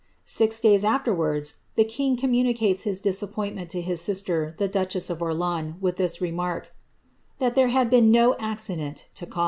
''' Six days afterwards the king com municates his disappointment to liis sister, the duchess of Orleans, with the remark " that there had been no accident to cause it."